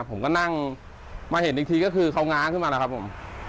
ผมก็นั่งมาเห็นอีกทีก็คือเขาง้าขึ้นมาแล้วครับผม